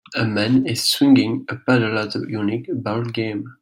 A man is swinging a paddle at a unique ballgame.